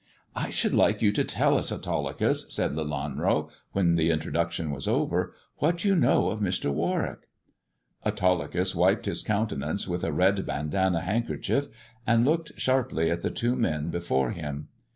" I should like you to tell us, Autolycus," said Lelanro, when the introduction was over, " what you know of Mr. Warwick." •Autolycus wiped his countenance with a red bandanna handkerchief, and looked sharply at the two men before him.